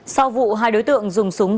sau vụ hai đối tượng dùng súng